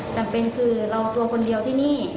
จำเป็นคือเราตัวคนเดียวที่นี่